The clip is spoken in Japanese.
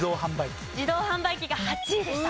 自動販売機が８位でした。